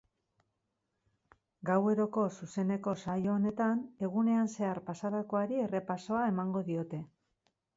Gaueroko zuzeneko saio honetan, egunean zehar pasatakoari errepasoa emango diote.